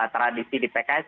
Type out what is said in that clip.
tradisi di pks